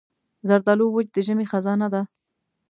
زردالو وچ د ژمي خزانه ده.